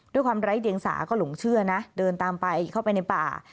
ด้วยความไร้เดียงสาก็หลงเชื่อนะเดินตามไปเข้าไปในป่า